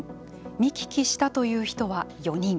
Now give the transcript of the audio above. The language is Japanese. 見聞きしたという人は４人。